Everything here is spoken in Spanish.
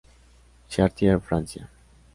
Chartier, Francia.